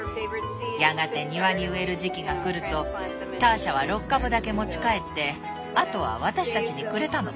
やがて庭に植える時期がくるとターシャは６株だけ持ち帰ってあとは私たちにくれたの。